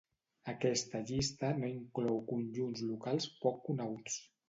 Aquesta llista no inclou conjunts locals poc coneguts.